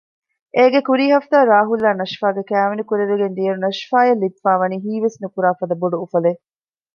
އޭގެ ކުރީ ހަފްތާ ރާހުލްއާ ނަޝްފާގެ ކައިވެނި ކުރެވިގެން ދިއައިރު ނަޝްފާއަށް ލިބިފައިވަނީ ހީވެސްނުކުރާ ފަދަ ބޮޑު އުފަލެއް